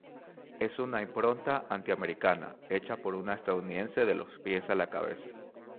Es una impronta anti-americana hecha por una estadounidense de los pies a la cabeza.